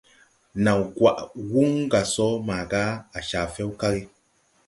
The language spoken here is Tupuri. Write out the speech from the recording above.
Naw gwaʼ wuŋ gà sɔ maaga à caa fɛw kag.